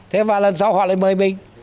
thế và lần sau họ lại mời mình